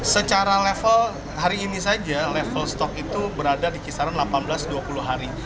secara level hari ini saja level stok itu berada di kisaran delapan belas dua puluh hari